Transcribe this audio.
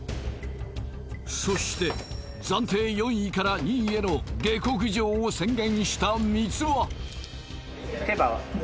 そして暫定４位から２位への下克上を宣言した三和